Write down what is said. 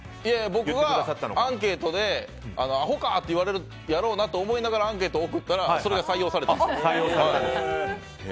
僕はアンケートでアホか！って言われるやろなと思ってアンケートを送ったらそれが採用されたんです。